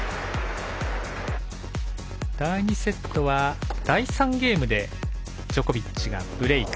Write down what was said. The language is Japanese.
第２セットは第３ゲームでジョコビッチがブレーク。